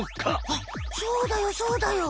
あっそうだよそうだよ。